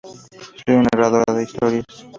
Soy un narradora de historias".